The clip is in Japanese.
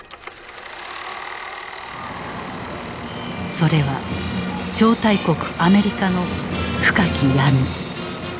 それは超大国アメリカの深き闇。